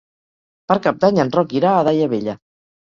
Per Cap d'Any en Roc irà a Daia Vella.